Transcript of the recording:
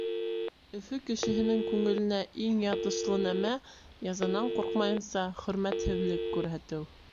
Өфө кешеһенең күңеленә иң ятышлы нәмә — язанан ҡурҡмайынса хөрмәтһеҙлек күрһәтеү.